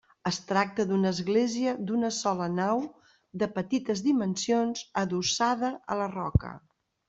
Es tracta d'una església d'una sola nau de petites dimensions adossada a la roca.